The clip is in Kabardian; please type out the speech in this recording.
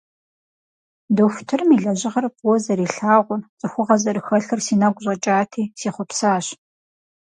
Дохутырым и лэжьыгъэр фӀыуэ зэрилъагъур, цӀыхугъэ зэрыхэлъыр си нэгу щӀэкӀати, сехъуэпсащ.